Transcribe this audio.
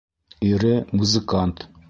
Ире - музыкант.